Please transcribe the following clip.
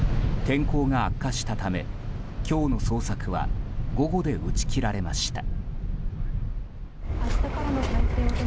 天候が悪化したため今日の捜索は午後で打ち切られました。